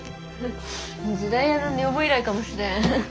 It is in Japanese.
「時代屋の女房」以来かもしれん。